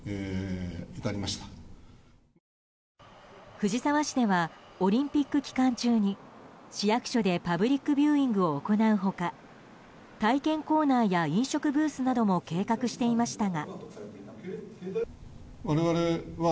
藤沢市ではオリンピック期間中に市役所でパブリックビューイングを行う他体験コーナーや飲食ブースなども計画していましたが。